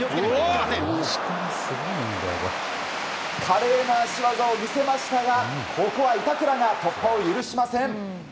華麗な足技を見せましたがここは板倉が突破を許しません。